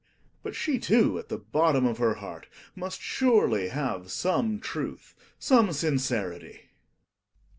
But she, too, at the bottom of her heart must surely have some truth, some sincerity.